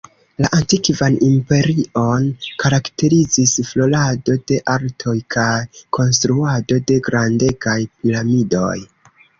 La Antikvan Imperion karakterizis florado de artoj kaj konstruado de grandegaj piramidoj.